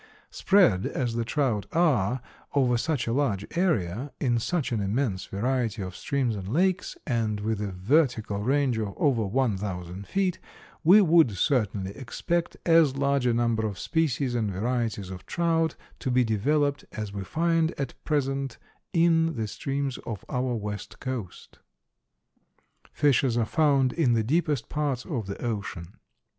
Spread, as the trout are, over such a large area, in such an immense variety of streams and lakes, and with a vertical range of over one thousand feet, we would certainly expect as large a number of species and varieties of trout to be developed as we find at present in the streams of our west coast. Fishes are found in the deepest parts of the ocean.